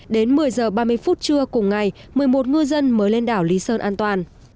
đến một mươi h ba mươi phút trưa cùng ngày một mươi một ngư dân mới lên đảo lý sơn an toàn